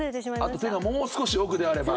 あと手がもう少し奥であれば。